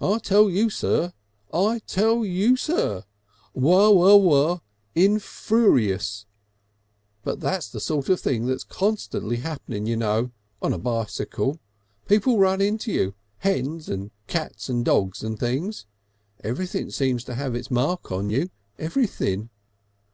'I tell you, sir ' 'I tell you, sir.' Waw waw waw. Infuriacious. But that's the sort of thing that's constantly happening you know on a bicycle. People run into you, hens and cats and dogs and things. Everything seems to have its mark on you; everything."